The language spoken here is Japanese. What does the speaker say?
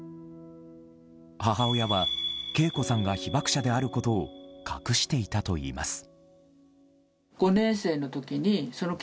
母親はケイ子さんが被爆者であることを隠していたといいます。